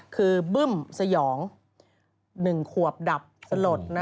คือบึ้มสยอง๑ขวบดับสลด